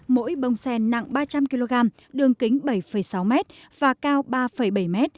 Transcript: mỗi bông sen nặng ba trăm linh kg đường kính bảy sáu m và cao ba bảy m